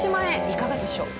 いかがでしょう？